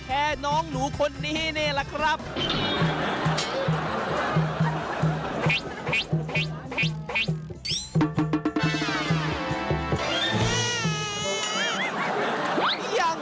รับน้องจริงจริงที่ฟัง